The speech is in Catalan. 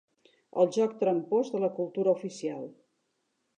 El joc trampós de la cultura oficial.